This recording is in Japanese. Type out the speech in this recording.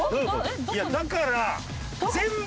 いやだから。